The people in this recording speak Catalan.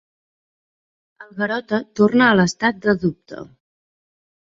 El Garota torna a l'estat de dubte.